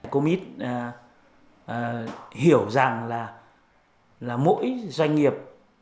comit hiểu rằng là mỗi doanh nghiệp